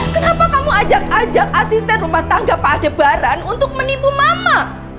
kenapa kamu ajak ajak asisten rumah tangga pada barang untuk menipu mama